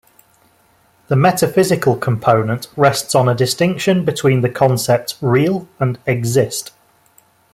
The metaphysical component rests on a distinction between the concepts "real" and "exist".